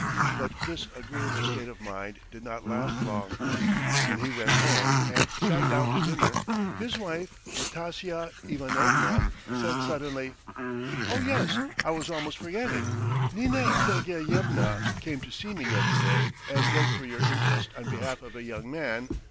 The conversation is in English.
But this agreeable state of mind did not last long. When he went home and sat down to dinner his wife, Nastasya Ivanovna, said suddenly: "Oh yes, I was almost forgetting! Nina Sergeyevna came to see me yesterday and begged for your interest on behalf of a young man.